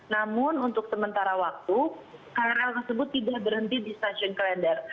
namun untuk sementara waktu krl tersebut tidak berhenti di stasiun klender